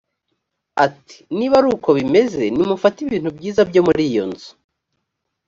ati niba ari uko bimeze nimufate ibintu byiza byo muri iyo nzu